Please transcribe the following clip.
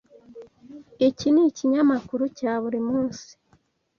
Iki nikinyamakuru cya buri munsi.